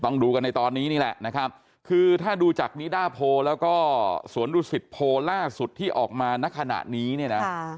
ดูกันในตอนนี้นี่แหละนะครับคือถ้าดูจากนิด้าโพลแล้วก็สวนดุสิตโพลล่าสุดที่ออกมาณขณะนี้เนี่ยนะ